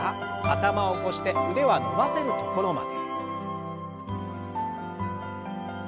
頭を起こして腕は伸ばせるところまで。